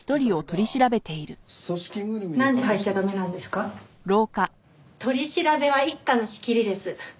取り調べは一課の仕切りです。